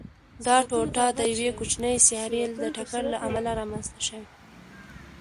دا ټوټه د یوې کوچنۍ سیارې د ټکر له امله رامنځته شوې.